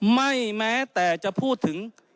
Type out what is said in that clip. แม้แต่จะพูดถึง